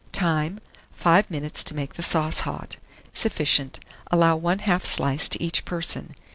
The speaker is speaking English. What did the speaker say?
Time. 5 minutes to make the sauce hot. Sufficient. Allow 1/2 slice to each person.